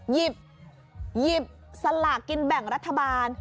หยิบสลากกินแบ่งรัฐบาล